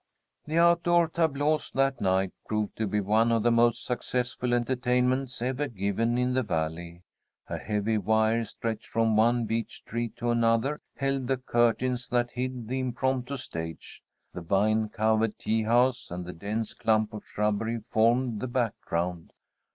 The outdoor tableaux that night proved to be one of the most successful entertainments ever given in the Valley. A heavy wire, stretched from one beech tree to another, held the curtains that hid the impromptu stage. The vine covered tea house and a dense clump of shrubbery formed the background.